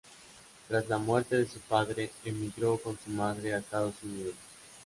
Tras la muerte de su padre, emigró con su madre a Estados Unidos.